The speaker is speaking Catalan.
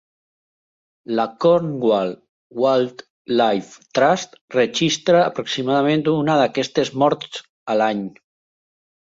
La Cornwall Wildlife Trust registra aproximadament una d'aquestes morts a l'any.